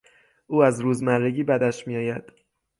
او از روزمرگی بدش میآید.